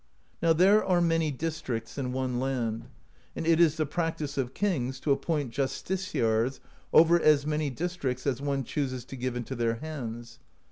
Now there are many districts in one land; and it is the practice of kings to ap point justiciars over as many districts as one chooses to give into their hands.